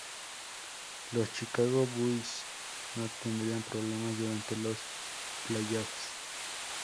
Los Chicago Bulls no tendrían problemas durante los playoffs.